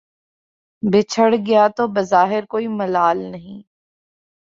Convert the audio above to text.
بچھڑ گیا تو بظاہر کوئی ملال نہیں